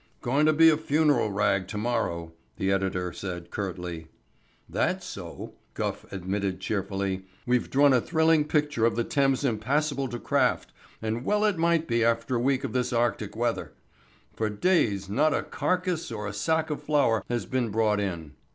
"Going to be a funeral rag to morrow," the editor said curtly. "That's so," Gough admitted cheerfully. "We've drawn a thrilling picture of the Thames impassable to craft and well it might be after a week of this Arctic weather. For days not a carcase or a sack of flour has been brought in.